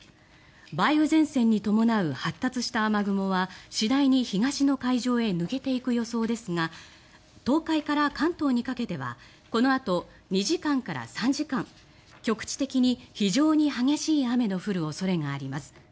梅雨前線に伴う発達した雨雲は次第に東の海上へ抜けていく予想ですが東海から関東にかけてはこのあと２時間から３時間局地的に非常に激しい雨の降る恐れがあります。